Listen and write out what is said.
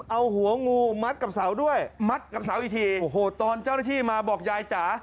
เอาหัวงูมัดกับเสาด้วยมัดกับเสาอีกทีโอ้โหตอนเจ้าหน้าที่มาบอกยายจ๋า